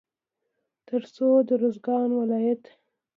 تر څو د روزګان ولايت